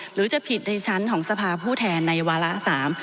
หรือจะผิดในชั้นของสภาผู้แทนในวาระสาม